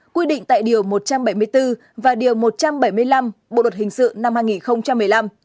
quy định tại điều một trăm bảy mươi bốn và điều một trăm bảy mươi năm bộ luật hình sự năm hai nghìn một mươi năm